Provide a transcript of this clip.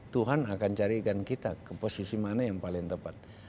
tuhan akan carikan kita ke posisi mana yang paling tepat